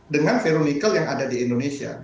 dengan veronical yang ada di indonesia